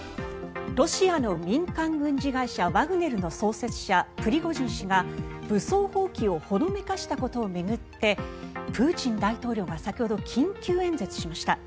ロシアの民間軍事会社ワグネルの創設者、プリゴジン氏が武装蜂起をほのめかしたことを巡ってプーチン大統領が先ほど緊急演説しました。